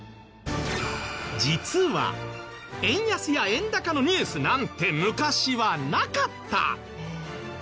実は円安や円高のニュースなんて昔はなかった！